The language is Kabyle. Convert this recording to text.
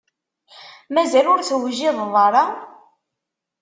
Mazal ur tewjiḍeḍ ara?